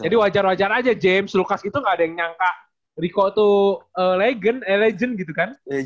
jadi wajar wajar aja james lukas itu nggak ada yang nyangka rico tuh legend gitu kan